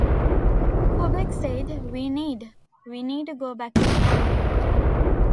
Kubeck said, We need, we need to go back to Miami.